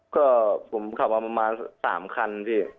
ก็ผมขับมาประมาณ๓คันพี่